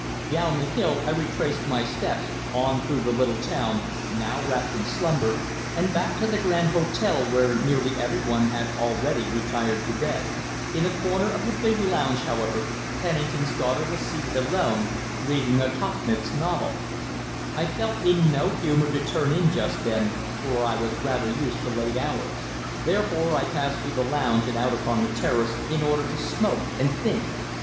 Down the hill I retraced my steps, on through the little town, now wrapped in slumber, and back to the Grand Hotel, where nearly every one had already retired to bed. In a corner of the big lounge, however, Pennington's daughter was seated alone, reading a Tauchnitz novel. I felt in no humour to turn in just then, for I was rather used to late hours; therefore I passed through the lounge and out upon the terrace, in order to smoke and think.